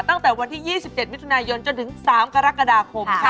ตั้งแต่วันที่๒๗มิถุนายนจนถึง๓กรกฎาคมค่ะ